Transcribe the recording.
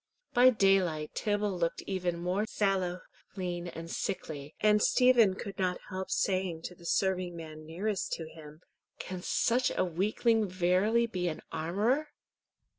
By daylight Tibble looked even more sallow, lean, and sickly, and Stephen could not help saying to the serving man nearest to him, "Can such a weakling verily be an armourer?"